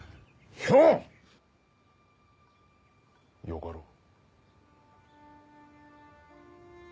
よかろう。